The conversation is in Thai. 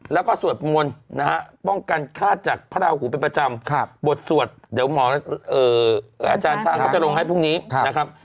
แล้วก็สวดมนต์นะฮะป้องกันฆาตจากพระราหูเป็นประจำบทสวดเดี๋ยวหมออาจารย์ช้างเขาจะลงให้พรุ่งนี้นะครับ